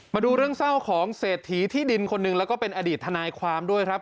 มาดูเรื่องเศร้าของเศรษฐีที่ดินคนหนึ่งแล้วก็เป็นอดีตทนายความด้วยครับ